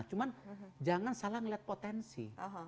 cuman jangan salah ngeliat potensi